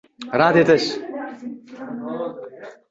Afsus, bu she’rlarni men saqlay olmadim.